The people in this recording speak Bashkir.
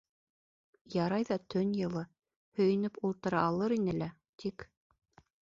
Ярай ҙа төн йылы, һөйөнөп ултыра алыр ине лә, тик...